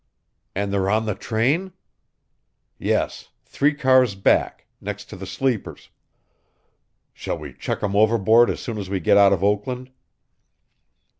"And they're on the train?" "Yes, three cars back, next to the sleepers. Shall we chuck 'em overboard as soon as we get out of Oakland?"